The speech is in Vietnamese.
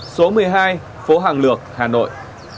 số một mươi hai phố hàng lược hà nội